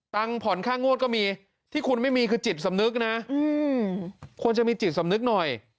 ผ่อนค่างวดก็มีที่คุณไม่มีคือจิตสำนึกนะควรจะมีจิตสำนึกหน่อย